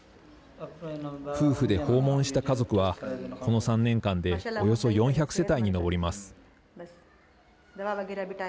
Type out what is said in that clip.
夫婦で訪問した家族はこの３年間でおよそ４００世帯に上ります。